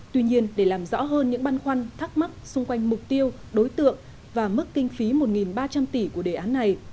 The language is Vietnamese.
tuy nhiên để làm rõ hơn những băn khoăn thắc mắc xung quanh mục tiêu đối tượng và mức kinh phí một ba trăm linh tỷ của đề án này